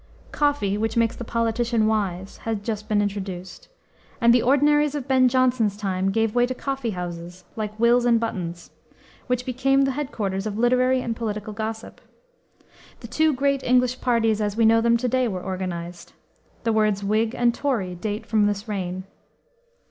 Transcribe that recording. "Coffee, which makes the politician wise," had just been introduced, and the ordinaries of Ben Jonson's time gave way to coffee houses, like Will's and Button's, which became the head quarters of literary and political gossip. The two great English parties, as we know them to day, were organized: the words Whig and Tory date from this reign.